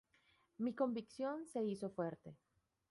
Mi convicción se hizo fuerte.